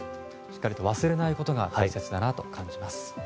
しっかりと忘れないことが大切だと感じます。